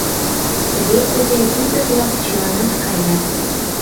— Рвезе ден ӱдыр-влак чыланат каят.